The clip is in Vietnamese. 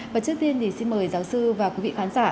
và trước tiên thì xin mời giáo sư và quý vị khán giả